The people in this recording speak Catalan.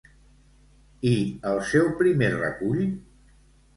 I el seu primer recull?